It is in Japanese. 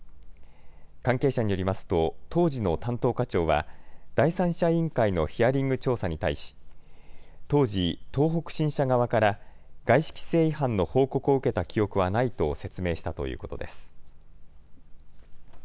関係者によりますと当時の担当課長は第三者委員会のヒアリング調査に対し当時、東北新社側から外資規制違反の報告を受けた記憶はないと説明したということです。